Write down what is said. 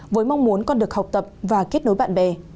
với mong muốn con được học tập và kết nối bạn bè